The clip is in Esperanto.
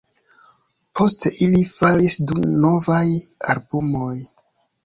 Poste ili faris du novaj albumoj.